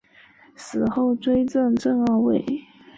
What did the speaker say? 死后追赠正二位。